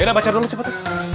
eh udah baca dulu cepet